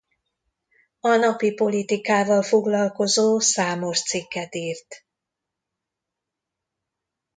A napi politikával foglalkozó számos cikket írt.